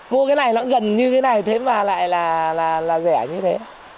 mua cái này nó gần như cái này thế mà lại là rẻ như thế